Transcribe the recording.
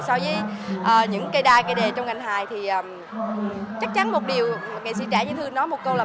so với những cây đai cây đề trong ngành hài thì chắc chắn một điều nghệ sĩ trẻ như thư nói một câu là